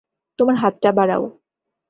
তোমার হাতটা বাঁড়াও!